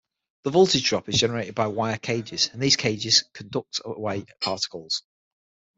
The voltage drop is generated by wire cages, and these cages conduct away particles.